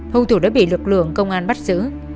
hồ thủ đã bị lực lượng công an bắt giữ